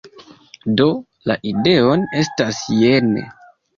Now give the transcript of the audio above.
Do, la ideon estas jene: